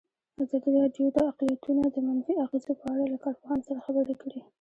ازادي راډیو د اقلیتونه د منفي اغېزو په اړه له کارپوهانو سره خبرې کړي.